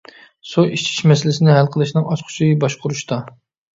سۇ ئىچىش مەسىلىسىنى ھەل قىلىشنىڭ ئاچقۇچى باشقۇرۇشتا.